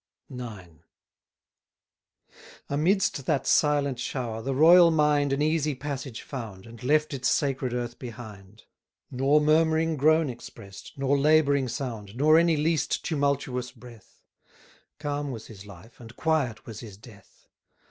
IX. Amidst that silent shower, the royal mind An easy passage found, And left its sacred earth behind: Nor murmuring groan express'd, nor labouring sound, Nor any least tumultuous breath; Calm was his life, and quiet was his death.